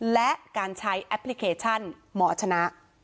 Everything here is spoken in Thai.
และการใช้แอปพลิเคชันหมอชนะ